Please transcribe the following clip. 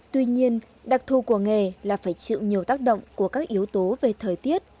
tuy nhiên đặc thù của nghề là phải chịu nhiều tác động của các yếu tố về thời tiết